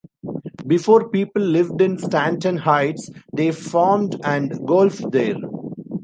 Before people lived in Stanton Heights, they farmed and golfed there.